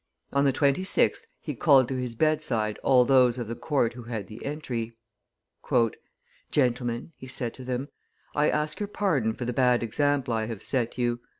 On the 26th he called to his bedside all those of the court who had the entry. "Gentlemen," he said to them, "I ask your pardon for the bad example I have set you.